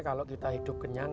kalau kita hidup kenyang